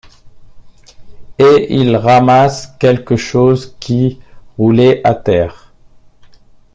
Et il ramasse quelque chose qui roulait à terre.